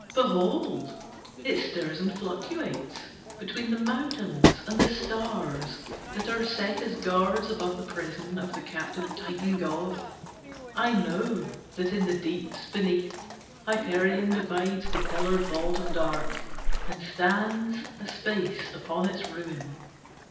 Behold! it stirs and fluctuates Between the mountains and the stars That are set as guards above the prison Of the captive Titan god. I know That in the deeps beneath, Hyperion Divides the pillared vault of dark, And stands a space upon its ruin.